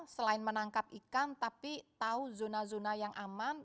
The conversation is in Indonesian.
selain menangkap ikan tapi tahu zona zona yang aman